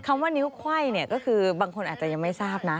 คำว่านิ้วไขว้เนี่ยก็คือบางคนอาจจะยังไม่ทราบนะ